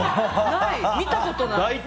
見たことない！